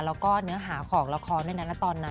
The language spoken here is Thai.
แล้วก็เนื้อหาของละครด้วยนะตอนนั้น